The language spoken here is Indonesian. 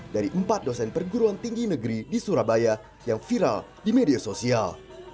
dari empat dosen perguruan tinggi negeri di surabaya yang viral di media sosial